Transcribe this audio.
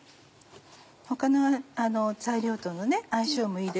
他の材料との相性もいいですので。